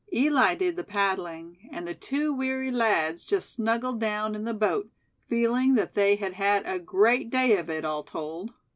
Eli did the paddling, and the two weary lads just snuggled down in the boat, feeling that they had had a great day of it, all told.